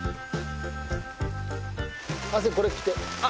亜生これ撮って。